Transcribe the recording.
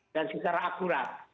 dan secara akurat